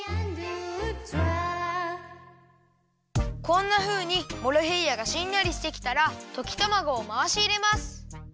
こんなふうにモロヘイヤがしんなりしてきたらときたまごをまわしいれます。